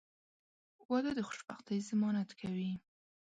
• واده د خوشبختۍ ضمانت کوي.